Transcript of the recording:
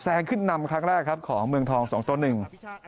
แซงขึ้นนำครั้งแรกครับของเมืองทอง๒๑